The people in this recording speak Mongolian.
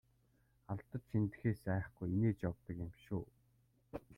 Алдаж эндэхээс айхгүй инээж явдаг юм шүү!